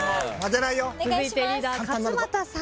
続いてリーダー勝俣さん。